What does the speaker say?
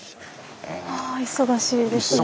あ忙しいですねぇ。